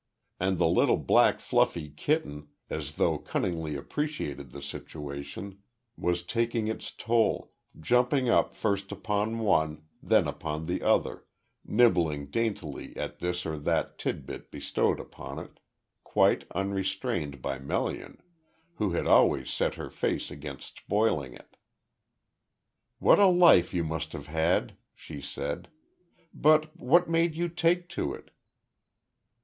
And the little black fluffy kitten, as though cunningly appreciating the situation, was taking its toll, jumping up first upon one, then upon the other, nibbling daintily at this or that tidbit bestowed upon it, quite unrestrained by Melian, who had always set her face against spoiling it. "What a life you must have had," she said. "But what made you take to it?"